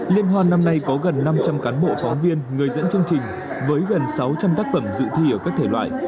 liên hoan năm nay có gần năm trăm linh cán bộ phóng viên người dẫn chương trình với gần sáu trăm linh tác phẩm dự thi ở các thể loại